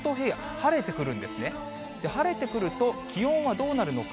晴れてくると、気温はどうなるのか。